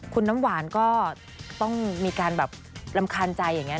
คุณน้ำหวานก็ต้องมีการแบบรำคาญใจอย่างนี้